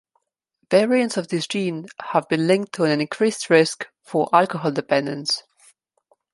Variants of this gene have been linked to an increased risk for alcohol dependence.